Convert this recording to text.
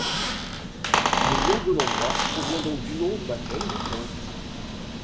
Le nom de l'endroit provient donc du nom de baptême du prince.